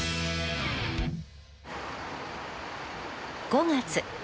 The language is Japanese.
５月。